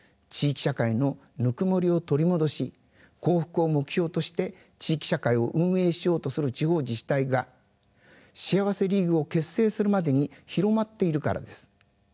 地域社会のぬくもりを取り戻し幸福を目標として地域社会を運営しようとする地方自治体が幸せリーグを結成するまでに広まっているからです。